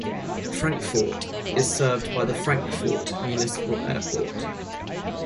Frankfort is served by the Frankfort Municipal Airport.